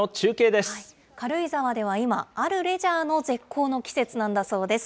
軽井沢では今、あるレジャーの絶好の季節なんだそうです。